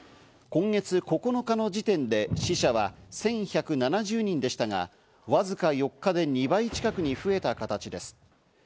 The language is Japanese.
今月９日の時点で死者は１１７０人でしたが、わずか４日で２倍近くに増えた形です。